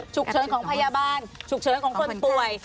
ฉุกเฉินของพยาบาลฉุกเฉินของคนป่วย